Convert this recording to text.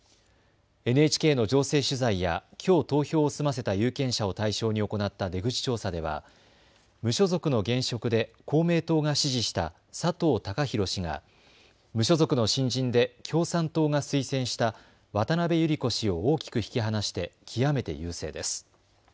ＮＨＫの情勢取材やきょう投票を済ませた有権者を対象に行った出口調査では無所属の現職で公明党が支持した佐藤孝弘氏が無所属の新人で共産党が推薦した渡辺ゆり子氏を大きく引き離して極めて優勢です。